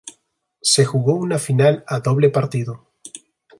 Se jugó una final a doble partido.